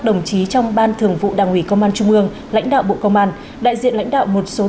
đồng chí trong ban thường vụ đảng ủy công an trung ương lãnh đạo bộ công an đại diện lãnh đạo một số